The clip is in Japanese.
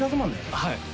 はい。